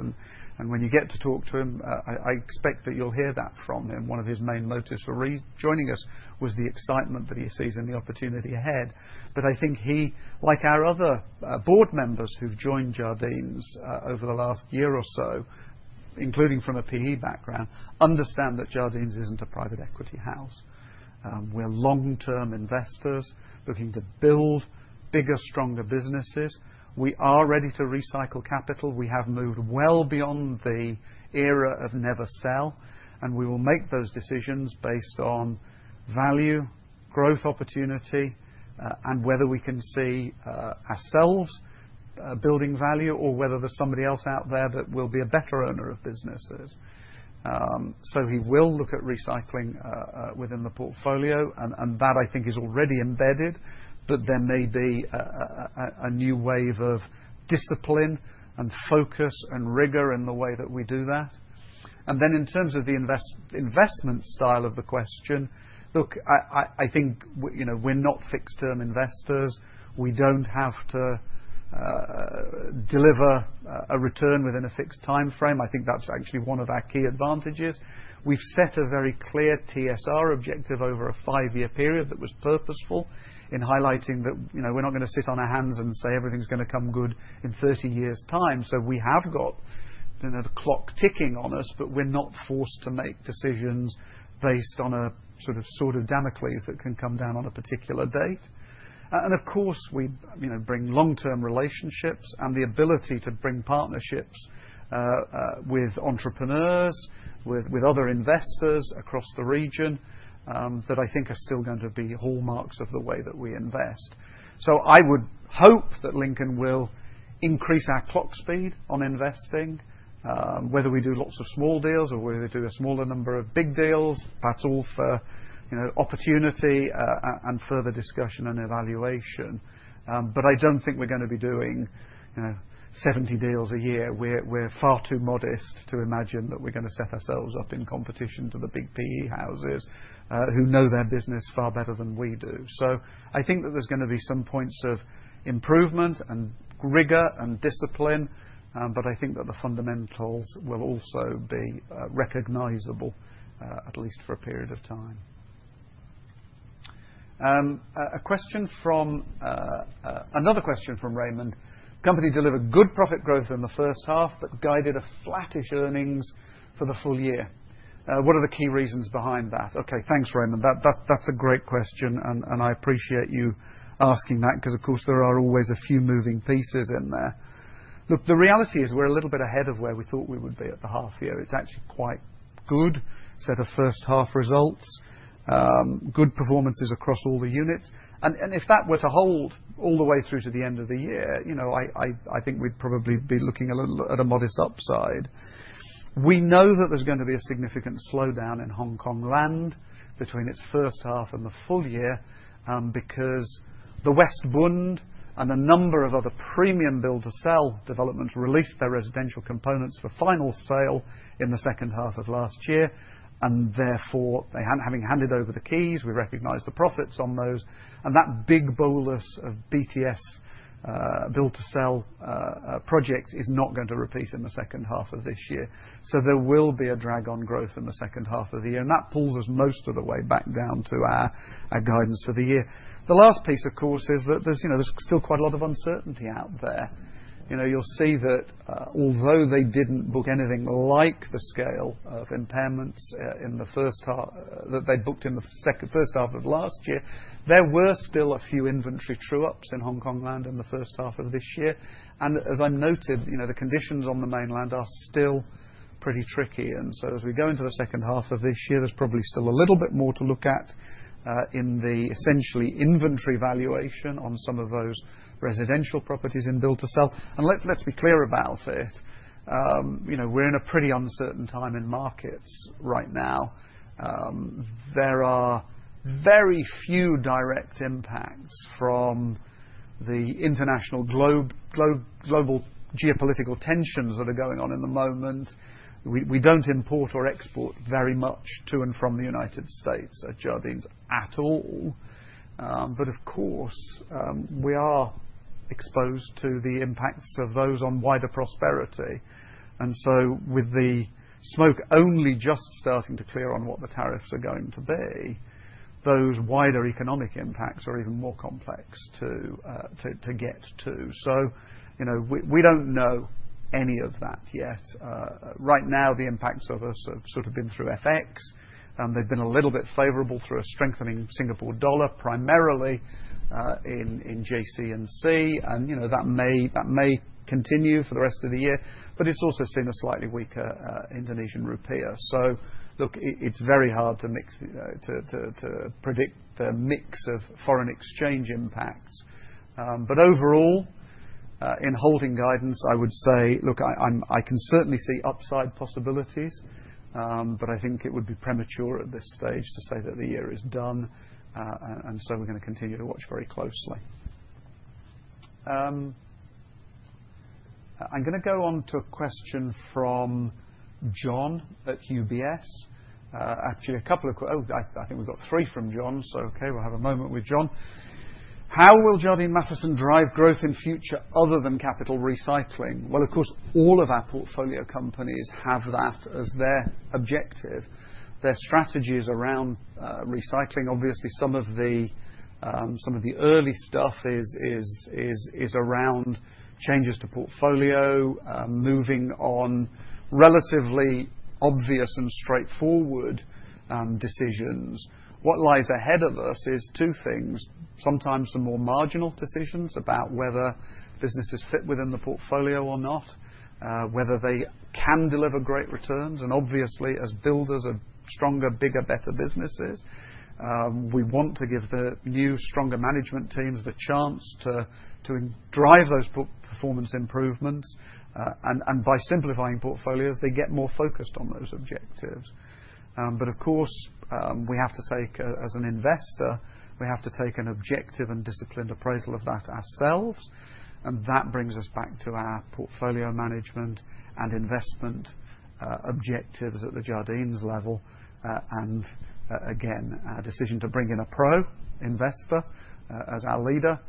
And when you get to talk to him, I expect that you'll hear that from him. One of his main motives for rejoining us was the excitement that he sees in the opportunity ahead. But I think he, like our other board members who've joined Jardines over the last year or so, including from a PE background, understand that Jardines isn't a private equity house. We're long-term investors looking to build bigger, stronger businesses. We are ready to recycle capital. We have moved well beyond the era of never sell, and we will make those decisions based on value, growth opportunity, and whether we can see ourselves building value or whether there's somebody else out there that will be a better owner of businesses. So he will look at recycling within the portfolio, and that I think is already embedded, but there may be a new wave of discipline and focus and rigor in the way that we do that. And then in terms of the investment style of the question, look, I think we're not fixed-term investors. We don't have to deliver a return within a fixed time frame. I think that's actually one of our key advantages. We've set a very clear TSR objective over a five-year period that was purposeful in highlighting that we're not going to sit on our hands and say everything's going to come good in 30 years' time. So we have got the clock ticking on us, but we're not forced to make decisions based on a sort of Damocles that can come down on a particular date. And of course, we bring long-term relationships and the ability to bring partnerships with entrepreneurs, with other investors across the region that I think are still going to be hallmarks of the way that we invest. So I would hope that Lincoln will increase our clock speed on investing, whether we do lots of small deals or whether we do a smaller number of big deals. That's all for opportunity and further discussion and evaluation. But I don't think we're going to be doing 70 deals a year. We're far too modest to imagine that we're going to set ourselves up in competition to the big PE houses who know their business far better than we do. So I think that there's going to be some points of improvement and rigor and discipline, but I think that the fundamentals will also be recognizable, at least for a period of time. Another question from Raymond. Company delivered good profit growth in the first half, but guided a flattish earnings for the full year. What are the key reasons behind that? Okay, thanks, Raymond. That's a great question, and I appreciate you asking that because, of course, there are always a few moving pieces in there. Look, the reality is we're a little bit ahead of where we thought we would be at the half year. It's actually quite good. Set of first half results, good performances across all the units, and if that were to hold all the way through to the end of the year, I think we'd probably be looking at a modest upside. We know that there's going to be a significant slowdown in Hongkong Land between its first half and the full year because the West Bund and a number of other premium build-to-sell developments released their residential components for final sale in the second half of last year, and therefore, having handed over the keys, we recognize the profits on those, and that big bolus of BTS build-to-sell project is not going to repeat in the second half of this year. So there will be a drag on growth in the second half of the year, and that pulls us most of the way back down to our guidance for the year. The last piece, of course, is that there's still quite a lot of uncertainty out there. You'll see that although they didn't book anything like the scale of impairments in the first half that they booked in the first half of last year, there were still a few inventory true-ups in Hongkong Land in the first half of this year. And as I've noted, the conditions on the mainland are still pretty tricky. And so as we go into the second half of this year, there's probably still a little bit more to look at in the essentially inventory valuation on some of those residential properties in build-to-sell. And let's be clear about it. We're in a pretty uncertain time in markets right now. There are very few direct impacts from the international global geopolitical tensions that are going on in the moment. We don't import or export very much to and from the United States at Jardines at all. But of course, we are exposed to the impacts of those on wider prosperity. And so with the smoke only just starting to clear on what the tariffs are going to be, those wider economic impacts are even more complex to get to. So we don't know any of that yet. Right now, the impacts of us have sort of been through FX, and they've been a little bit favorable through a strengthening Singapore dollar, primarily in JC&C. And that may continue for the rest of the year, but it's also seen a slightly weaker Indonesian rupiah. So look, it's very hard to predict the mix of foreign exchange impacts. But overall, in holding guidance, I would say, look, I can certainly see upside possibilities, but I think it would be premature at this stage to say that the year is done. And so we're going to continue to watch very closely. I'm going to go on to a question from John at UBS. Actually, a couple of, oh, I think we've got three from John. So okay, we'll have a moment with John. How will Jardine Matheson drive growth in future other than capital recycling? Well, of course, all of our portfolio companies have that as their objective. Their strategy is around recycling. Obviously, some of the early stuff is around changes to portfolio, moving on relatively obvious and straightforward decisions. What lies ahead of us is two things. Sometimes some more marginal decisions about whether businesses fit within the portfolio or not, whether they can deliver great returns. And obviously, as builders are stronger, bigger, better businesses, we want to give the new stronger management teams the chance to drive those performance improvements. And by simplifying portfolios, they get more focused on those objectives. But of course, we have to take, as an investor, we have to take an objective and disciplined appraisal of that ourselves. And that brings us back to our portfolio management and investment objectives at the Jardines level. And again, our decision to bring in a pro investor as our leader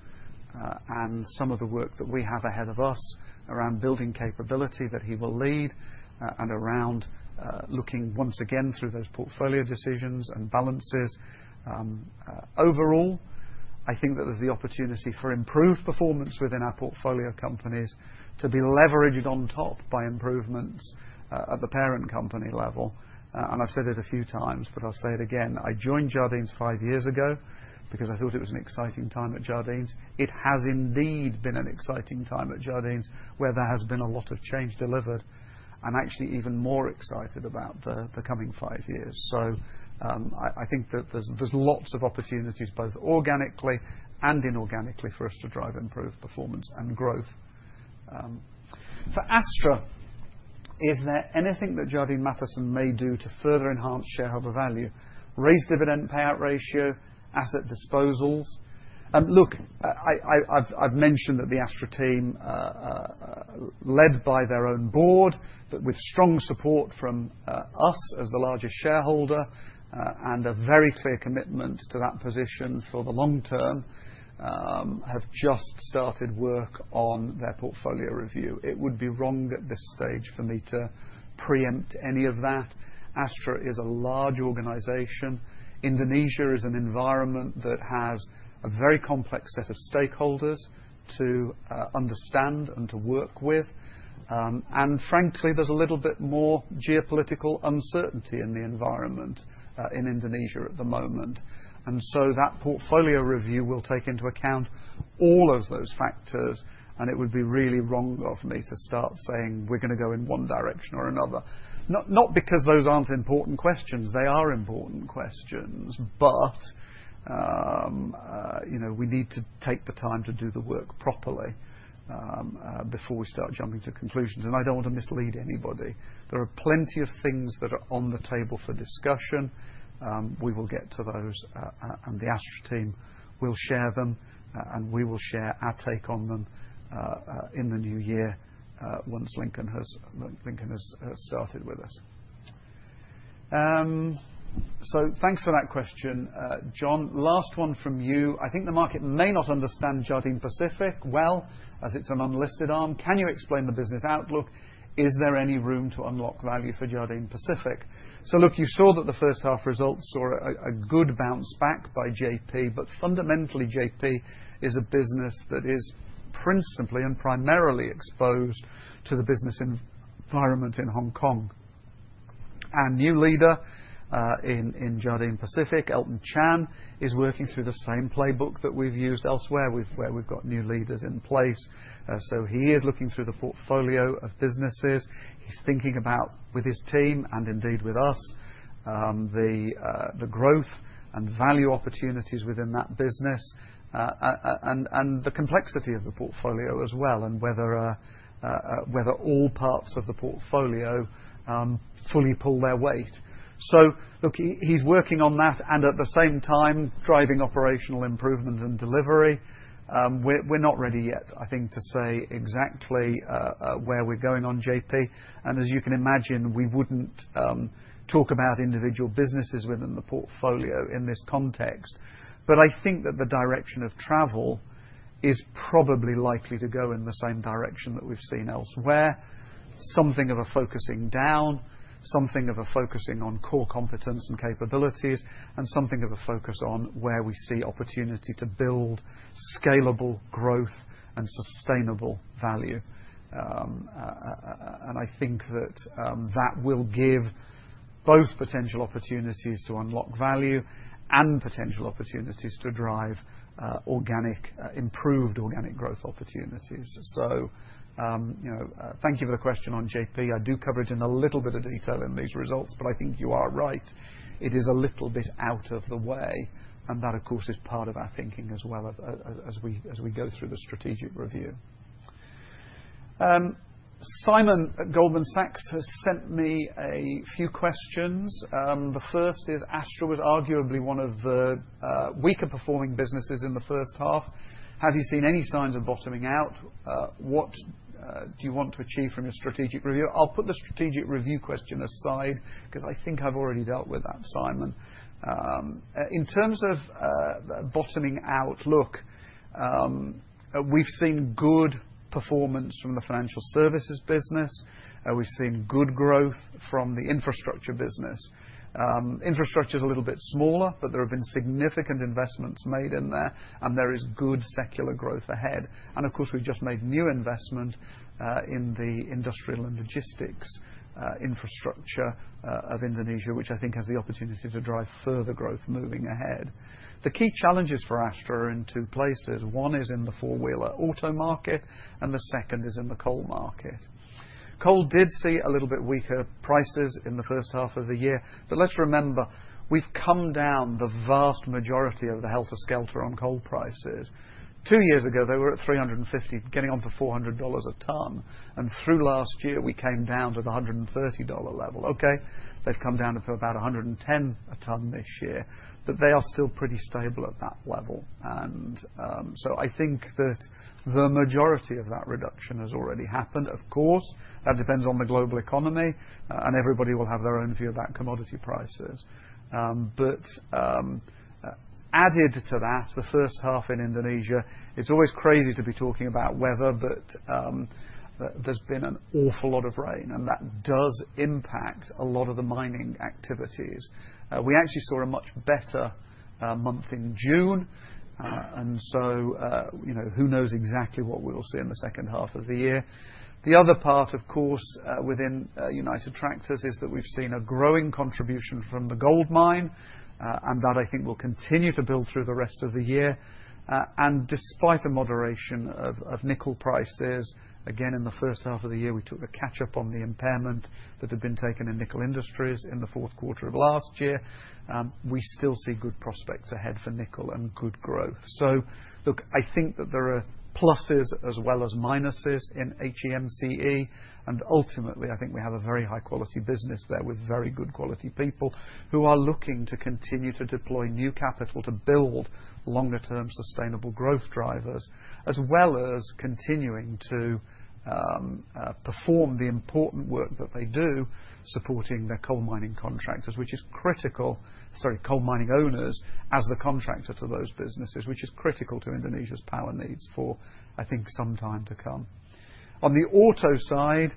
and some of the work that we have ahead of us around building capability that he will lead and around looking once again through those portfolio decisions and balances. Overall, I think that there's the opportunity for improved performance within our portfolio companies to be leveraged on top by improvements at the parent company level. And I've said it a few times, but I'll say it again. I joined Jardines five years ago because I thought it was an exciting time at Jardines. It has indeed been an exciting time at Jardines where there has been a lot of change delivered and actually even more excited about the coming five years. So I think that there's lots of opportunities both organically and inorganically for us to drive improved performance and growth. For Astra, is there anything that Jardine Matheson may do to further enhance shareholder value, raise dividend payout ratio, asset disposals? Look, I've mentioned that the Astra team, led by their own board, but with strong support from us as the largest shareholder and a very clear commitment to that position for the long term, have just started work on their portfolio review. It would be wrong at this stage for me to preempt any of that. Astra is a large organization. Indonesia is an environment that has a very complex set of stakeholders to understand and to work with. And frankly, there's a little bit more geopolitical uncertainty in the environment in Indonesia at the moment. And so that portfolio review will take into account all of those factors, and it would be really wrong of me to start saying we're going to go in one direction or another. Not because those aren't important questions. They are important questions, but you know, we need to take the time to do the work properly before we start jumping to conclusions. And I don't want to mislead anybody. There are plenty of things that are on the table for discussion. We will get to those, and the Astra team will share them, and we will share our take on them in the new year once Lincoln has started with us. So thanks for that question, John. Last one from you. I think the market may not understand Jardine Pacific well as it's an unlisted arm. Can you explain the business outlook? Is there any room to unlock value for Jardine Pacific? So look, you saw that the first half results saw a good bounce back by JP, but fundamentally, JP is a business that is principally and primarily exposed to the business environment in Hong Kong. Our new leader in Jardine Pacific, Elton Chan, is working through the same playbook that we've used elsewhere where we've got new leaders in place. So he is looking through the portfolio of businesses. He's thinking about, with his team and indeed with us, the growth and value opportunities within that business and the complexity of the portfolio as well and whether all parts of the portfolio fully pull their weight. So look, he's working on that and at the same time driving operational improvement and delivery. We're not ready yet, I think, to say exactly where we're going on JP. And as you can imagine, we wouldn't talk about individual businesses within the portfolio in this context. But I think that the direction of travel is probably likely to go in the same direction that we've seen elsewhere. Something of a focusing down, something of a focusing on core competence and capabilities, and something of a focus on where we see opportunity to build scalable growth and sustainable value. And I think that that will give both potential opportunities to unlock value and potential opportunities to drive improved organic growth opportunities. So thank you for the question on JP. I do cover it in a little bit of detail in these results, but I think you are right. It is a little bit out of the way. And that, of course, is part of our thinking as well as we go through the strategic review. Simon, Goldman Sachs, has sent me a few questions. The first is Astra was arguably one of the weaker performing businesses in the first half. Have you seen any signs of bottoming out? What do you want to achieve from your strategic review? I'll put the strategic review question aside because I think I've already dealt with that, Simon. In terms of bottoming out, look, we've seen good performance from the financial services business. We've seen good growth from the infrastructure business. Infrastructure is a little bit smaller, but there have been significant investments made in there, and there is good secular growth ahead. And of course, we've just made new investment in the industrial and logistics infrastructure of Indonesia, which I think has the opportunity to drive further growth moving ahead. The key challenges for Astra are in two places. One is in the four-wheeler auto market, and the second is in the coal market. Coal did see a little bit weaker prices in the first half of the year. But let's remember, we've come down the vast majority of the helter-skelter on coal prices. Two years ago, they were at $350, getting on for $400 a ton, and through last year, we came down to the $130 level. Okay, they've come down to about $110 a ton this year, but they are still pretty stable at that level, and so I think that the majority of that reduction has already happened. Of course, that depends on the global economy, and everybody will have their own view about commodity prices, but added to that, the first half in Indonesia, it's always crazy to be talking about weather, but there's been an awful lot of rain, and that does impact a lot of the mining activities. We actually saw a much better month in June, and so who knows exactly what we will see in the second half of the year. The other part, of course, within United Tractors is that we've seen a growing contribution from the gold mine, and that I think will continue to build through the rest of the year, and despite a moderation of nickel prices, again, in the first half of the year, we took the catch-up on the impairment that had been taken in Nickel Industries in the Q4 of last year. We still see good prospects ahead for nickel and good growth, so look, I think that there are pluses as well as minuses in HE, MC. Ultimately, I think we have a very high-quality business there with very good quality people who are looking to continue to deploy new capital to build longer-term sustainable growth drivers, as well as continuing to perform the important work that they do supporting their coal mining contractors, which is critical, sorry, coal mining owners as the contractor to those businesses, which is critical to Indonesia's power needs for, I think, some time to come. On the auto side,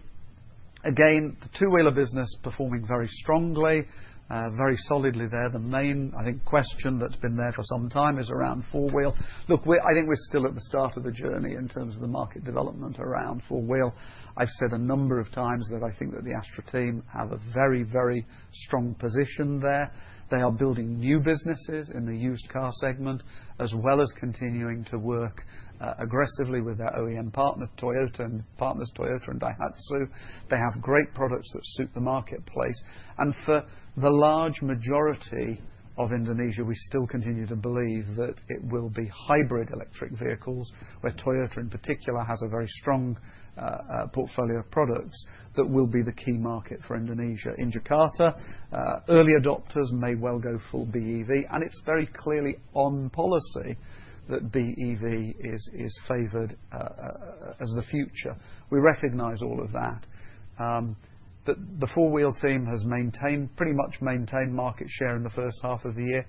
again, the two-wheeler business performing very strongly, very solidly there. The main, I think, question that's been there for some time is around four-wheel. Look, I think we're still at the start of the journey in terms of the market development around four-wheel. I've said a number of times that I think that the Astra team have a very, very strong position there. They are building new businesses in the used car segment, as well as continuing to work aggressively with their OEM partner, Toyota, and partners, Toyota and Daihatsu. They have great products that suit the marketplace, and for the large majority of Indonesia, we still continue to believe that it will be hybrid electric vehicles, where Toyota in particular has a very strong portfolio of products that will be the key market for Indonesia. In Jakarta, early adopters may well go full BEV, and it's very clearly on policy that BEV is favored as the future. We recognize all of that. The four-wheel team has pretty much maintained market share in the first half of the year.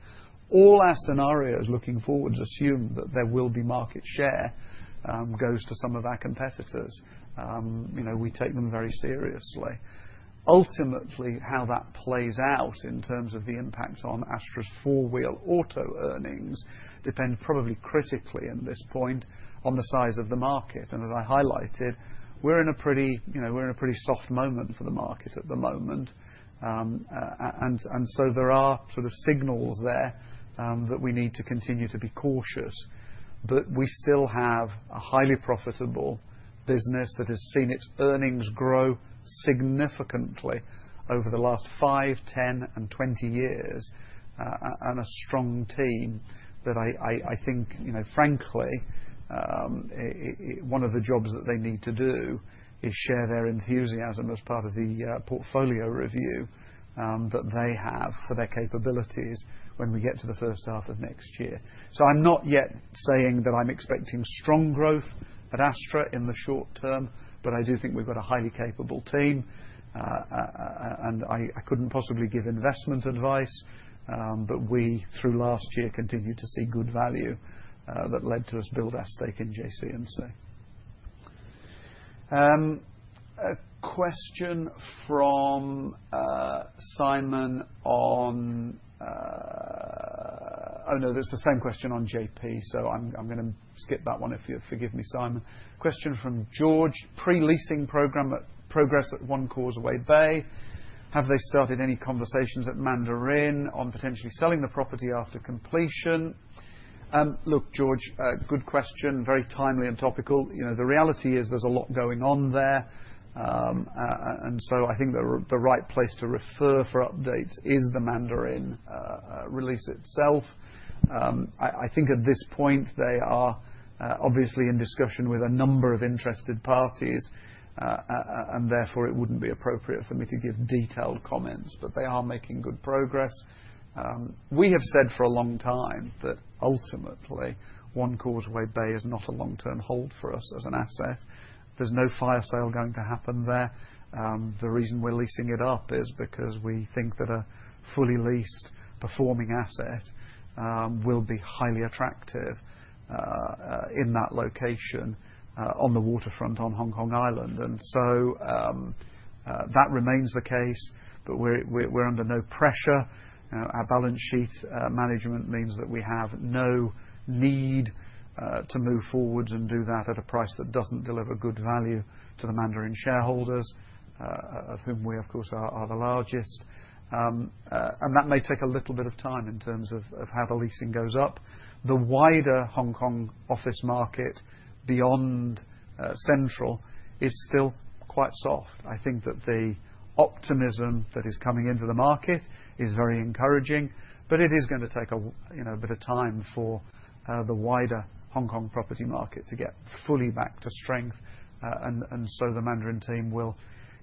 All our scenarios looking forwards assume that there will be market share goes to some of our competitors. We take them very seriously. Ultimately, how that plays out in terms of the impact on Astra's four-wheel auto earnings depends probably critically at this point on the size of the market, and as I highlighted, we're in a pretty soft moment for the market at the moment, and so there are sort of signals there that we need to continue to be cautious, but we still have a highly profitable business that has seen its earnings grow significantly over the last five, 10 and 20 years and a strong team that I think, frankly, one of the jobs that they need to do is share their enthusiasm as part of the portfolio review that they have for their capabilities when we get to the first half of next year. So I'm not yet saying that I'm expecting strong growth at Astra in the short term, but I do think we've got a highly capable team. And I couldn't possibly give investment advice, but we, through last year, continued to see good value that led to us building our stake in JC&C. A question from Simon on, oh no, that's the same question on JP, so I'm going to skip that one if you forgive me, Simon. Question from George. Pre-leasing progress at One Causeway Bay. Have they started any conversations at Mandarin on potentially selling the property after completion? Look, George, good question. Very timely and topical. The reality is there's a lot going on there. And so I think the right place to refer for updates is the Mandarin release itself. I think at this point, they are obviously in discussion with a number of interested parties, and therefore, it wouldn't be appropriate for me to give detailed comments, but they are making good progress. We have said for a long time that ultimately, One Causeway Bay is not a long-term hold for us as an asset. There's no fire sale going to happen there. The reason we're leasing it up is because we think that a fully leased performing asset will be highly attractive in that location on the waterfront on Hong Kong Island. And so that remains the case, but we're under no pressure. Our balance sheet management means that we have no need to move forwards and do that at a price that doesn't deliver good value to the Mandarin shareholders, of whom we, of course, are the largest. That may take a little bit of time in terms of how the leasing goes up. The wider Hong Kong office market beyond Central is still quite soft. I think that the optimism that is coming into the market is very encouraging, but it is going to take a bit of time for the wider Hong Kong property market to get fully back to strength. And so the Mandarin team will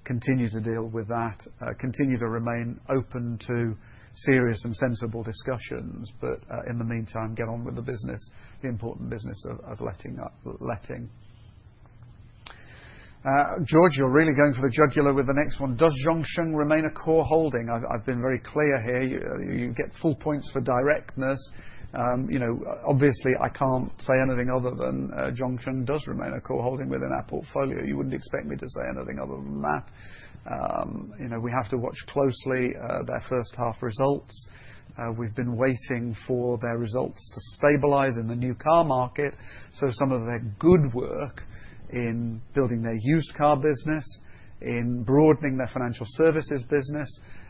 continue to deal with that, continue to remain open to serious and sensible discussions, but in the meantime, get on with the business, the important business of letting. George, you're really going for the jugular with the next one. Does Zhongsheng remain a core holding? I've been very clear here. You get full points for directness. Obviously, I can't say anything other than Zhongsheng does remain a core holding within our portfolio. You wouldn't expect me to say anything other than that. We have to watch closely their first half results. We've been waiting for their results to stabilize in the new car market. So some of their good work in building their used car business, in broadening their financial services business,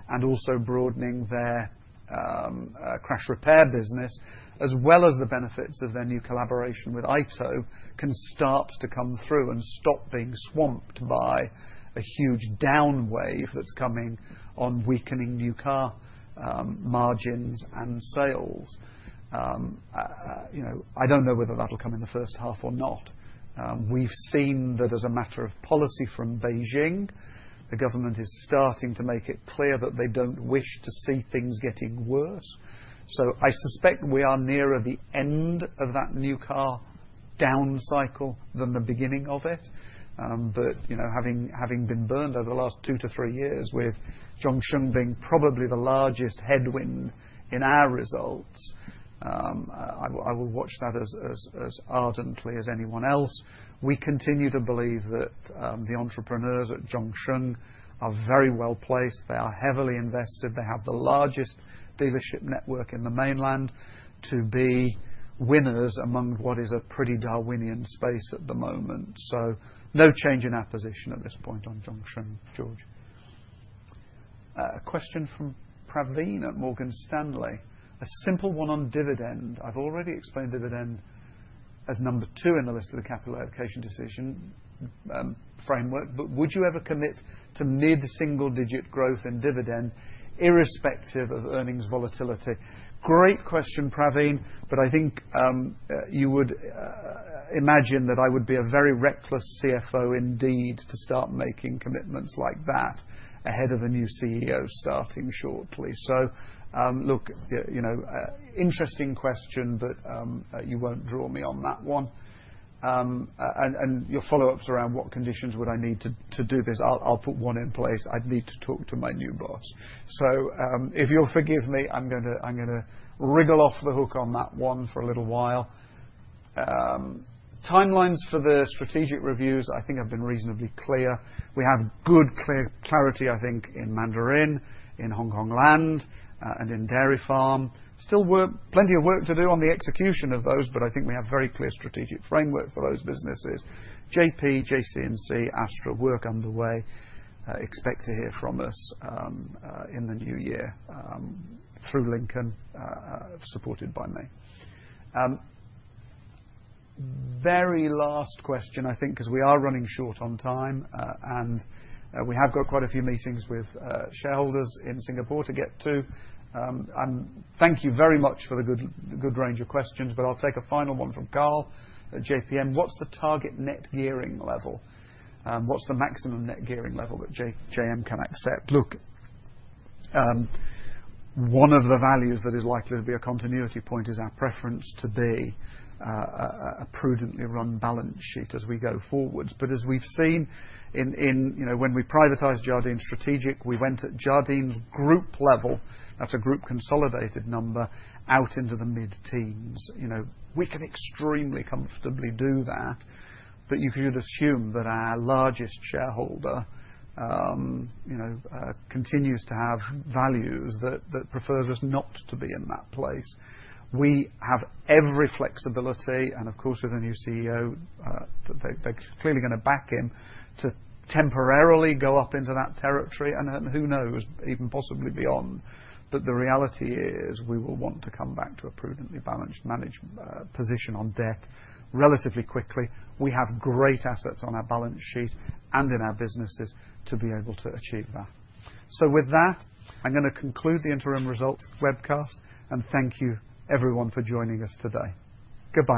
and also broadening their crash repair business, as well as the benefits of their new collaboration with AITO, can start to come through and stop being swamped by a huge downturn that's coming on weakening new car margins and sales. I don't know whether that'll come in the first half or not. We've seen that as a matter of policy from Beijing, the government is starting to make it clear that they don't wish to see things getting worse. So I suspect we are nearer the end of that new car down cycle than the beginning of it. But having been burned over the last two to three years with Zhongsheng being probably the largest headwind in our results, I will watch that as ardently as anyone else. We continue to believe that the entrepreneurs at Zhongsheng are very well placed. They are heavily invested. They have the largest dealership network in the mainland to be winners among what is a pretty Darwinian space at the moment. So no change in our position at this point on Zhongsheng, George. A question from Praveen at Morgan Stanley. A simple one on dividend. I've already explained dividend as number two in the list of the capital allocation decision framework, but would you ever commit to mid-single-digit growth in dividend irrespective of earnings volatility? Great question, Praveen, but I think you would imagine that I would be a very reckless CFO indeed to start making commitments like that ahead of a new CEO starting shortly. So look, interesting question, but you won't draw me on that one. And your follow-ups around what conditions would I need to do this? I'll put one in place. I'd need to talk to my new boss. So if you'll forgive me, I'm going to wriggle off the hook on that one for a little while. Timelines for the strategic reviews, I think I've been reasonably clear. We have good clarity, I think, in Mandarin, in Hongkong Land, and in Dairy Farm. Still plenty of work to do on the execution of those, but I think we have very clear strategic framework for those businesses. JP, JC&C, Astra, work underway. Expect to hear from us in the new year through Lincoln, supported by me. Very last question, I think, because we are running short on time, and we have got quite a few meetings with shareholders in Singapore to get to. Thank you very much for the good range of questions, but I'll take a final one from Carl at JPM. What's the target net gearing level? What's the maximum net gearing level that JM can accept? Look, one of the values that is likely to be a continuity point is our preference to be a prudently run balance sheet as we go forwards. But as we've seen when we privatized Jardine Strategic, we went at Jardines group level. That's a group consolidated number out into the mid-teens. We can extremely comfortably do that, but you should assume that our largest shareholder continues to have values that prefers us not to be in that place. We have every flexibility, and of course, with a new CEO, they're clearly going to back him to temporarily go up into that territory, and who knows, even possibly beyond. But the reality is we will want to come back to a prudently balanced position on debt relatively quickly. We have great assets on our balance sheet and in our businesses to be able to achieve that. So with that, I'm going to conclude the interim results webcast and thank you everyone for joining us today. Goodbye.